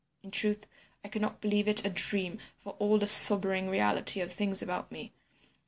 "In truth, I could not believe it a dream for all the sobering reality of things about me.